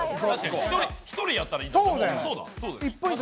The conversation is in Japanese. １人やったらいいけど。